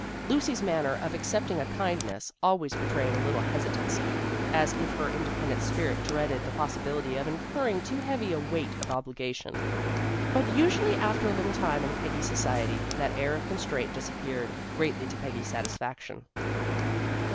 Lucy's manner of accepting a kindness always betrayed a little hesitancy, as if her independent spirit dreaded the possibility of incurring too heavy a weight of obligation. But usually after a little time in Peggy's society, that air of constraint disappeared, greatly to Peggy's satisfaction.